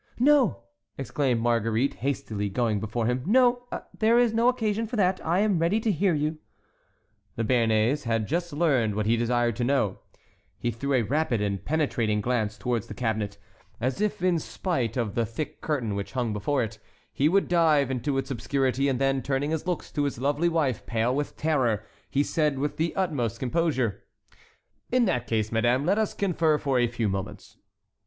"No!" exclaimed Marguerite, hastily going before him,—"no! there is no occasion for that; I am ready to hear you." The Béarnais had learned what he desired to know; he threw a rapid and penetrating glance towards the cabinet, as if in spite of the thick curtain which hung before it, he would dive into its obscurity, and then, turning his looks to his lovely wife, pale with terror, he said with the utmost composure, "In that case, Madame, let us confer for a few moments."